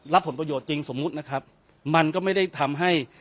ผลประโยชน์จริงสมมุตินะครับมันก็ไม่ได้ทำให้